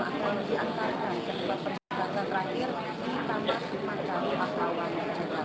atau diantar ke tempat perjalanan terakhir di tamas mancang makrawan jakarta